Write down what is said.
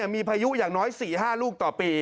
มีพายุอย่างน้อย๔๕ลูกต่อปี